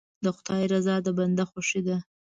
د خدای رضا د بنده خوښي ده.